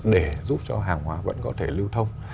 để giúp cho hàng hóa vẫn có thể lưu thông